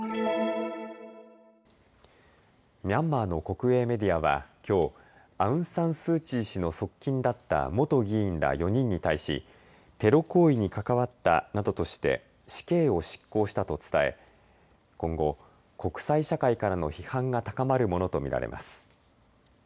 ミャンマーの国営メディアはきょう、アウン・サン・スー・チー氏の側近だった元議員ら４人に対しテロ行為に関わったなどとして死刑を執行したと伝え今後、国際社会からの批判が高まるものと見られます。